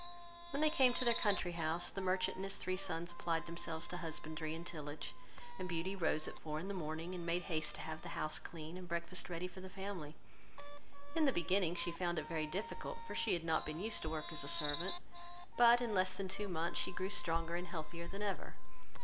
When they came to their country house, the merchant and his three sons applied themselves to husbandry and tillage; and Beauty rose at four in the morning, and made haste to have the house clean, and breakfast ready for the family. In the beginning she found it very difficult, for she had not been used to work as a servant; but in less than two months she grew stronger and healthier than ever.